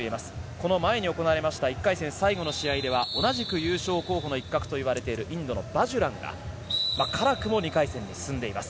この前に行われた１回戦最後の試合では同じく優勝候補の一角といわれるインドのバジュランが辛くも２回戦に進んでいます。